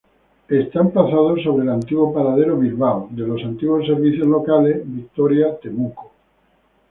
Está emplazado sobre el anterior paradero Bilbao de los antiguos servicios locales Victoria-Temuco.